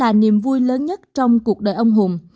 bầy chó là niềm vui lớn nhất trong cuộc đời ông hùng